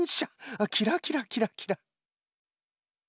あっキラキラキラキラ。